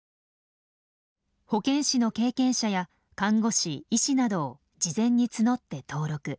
保健師の経験者や看護師医師などを事前に募って登録。